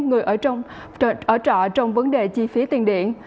người ở trong trọ trong vấn đề chi phí tiền điện